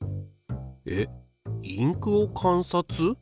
えっインクを観察？